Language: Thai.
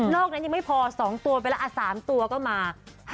นั้นยังไม่พอ๒ตัวไปแล้ว๓ตัวก็มา